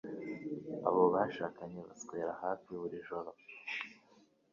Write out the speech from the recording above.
Abo bashakanye baswera hafi buri joro.